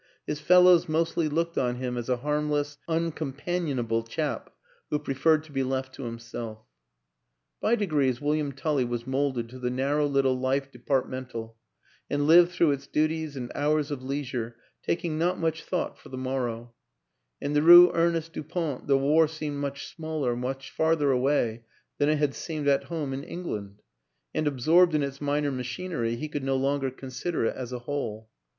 His fellows mostly looked on him as a harmless, uncompanionable chap who preferred to be left to himself. By degrees William Tully was molded to the narrow little life departmental and lived through its duties and hours of leisure taking not much thought for the morrow; in the Rue Ernest Du pont the war seemed much smaller, much farther away, than it had seemed at home in England, and, absorbed in its minor machinery, he could no longer consider it as a whole.